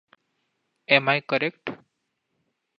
Am I correct?